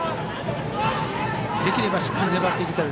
できればしっかり粘っていきたい。